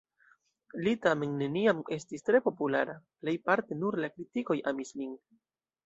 Li tamen neniam estis tre populara, plejparte nur la kritikoj amis lin.